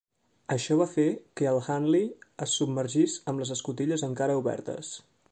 Això va fer que el "Hunley" es submergís amb les escotilles encara obertes.